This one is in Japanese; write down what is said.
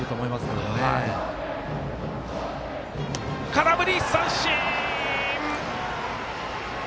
空振り三振！